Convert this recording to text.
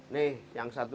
nih yang satu